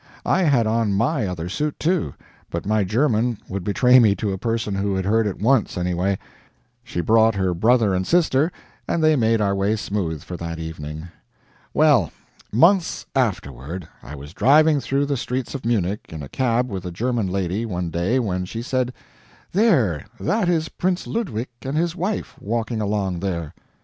I had on MY other suit, too, but my German would betray me to a person who had heard it once, anyway. She brought her brother and sister, and they made our way smooth for that evening. Well months afterward, I was driving through the streets of Munich in a cab with a German lady, one day, when she said: "There, that is Prince Ludwig and his wife, walking along there."